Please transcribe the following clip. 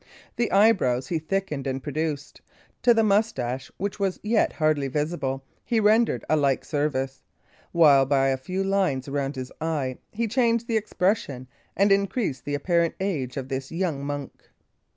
The eyebrows he thickened and produced; to the moustache, which was yet hardly visible, he rendered a like service; while, by a few lines around the eye, he changed the expression and increased the apparent age of this young monk.